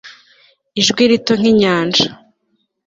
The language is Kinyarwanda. Ijwi rito nkinyanja